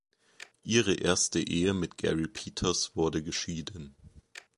Ihre erste Ehe mit Gary Peters wurde geschieden.